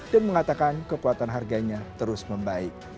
dan mengatakan kekuatan harganya terus membaik